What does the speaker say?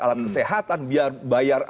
alat kesehatan biar bayar